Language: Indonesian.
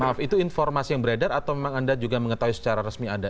maaf itu informasi yang beredar atau memang anda juga mengetahui secara resmi anda